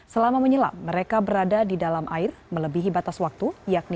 selama menyelam mereka berada di dalam air melebihi batas waktu yakni lima belas menit